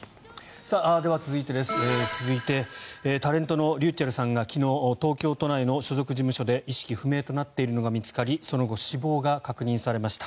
では、続いてタレントｒｙｕｃｈｅｌｌさんが昨日、東京都内の所属事務所で意識不明となっているのが見つかりその後、死亡が確認されました。